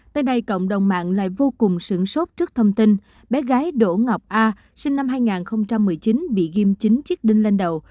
tới nay cộng đồng mạng lại vô cùng sưởng sốt trước thông tin bé gái đỗ ngọc a sinh năm hai nghìn một mươi chín bị ghim chính chiếc đinh lên đầu